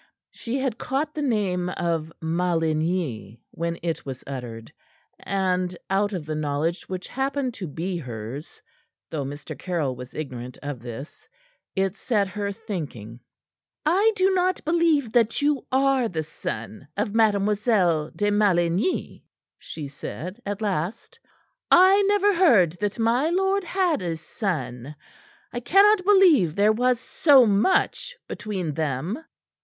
She had caught the name of Maligny when it was uttered, and out of the knowledge which happened to be hers though Mr. Caryll was ignorant of this it set her thinking. "I do not believe that you are the son of Mademoiselle de Maligny," she said at last. "I never heard that my lord had a son; I cannot believe there was so much between them."